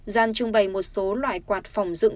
gian trưng bày một số loại quạt phòng dựng